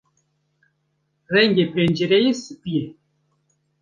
Rengê pencereyê spî ye.